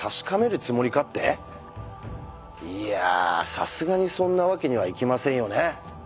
さすがにそんなわけにはいきませんよね。